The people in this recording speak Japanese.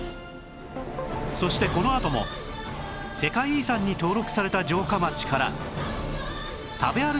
そしてこのあとも世界遺産に登録された城下町から